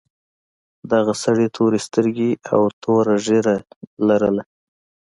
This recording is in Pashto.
دغه سړي تورې سترګې او تور ږیره لرله.